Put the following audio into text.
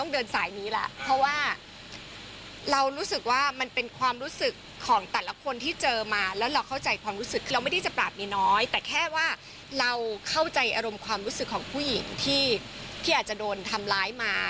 ในอารมณ์ความรู้สึกของผู้หญิงที่อาจจะโดนทำร้ายมา